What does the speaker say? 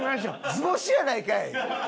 図星やないかい！